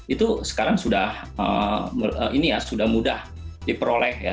itu sekarang sudah mudah diperoleh ya